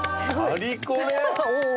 アリ・コレ？